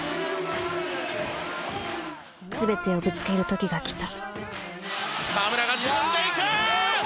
全てをぶつける時が来た。